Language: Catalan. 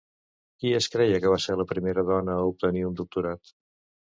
Qui es creia que va ser la primera dona a obtenir un doctorat?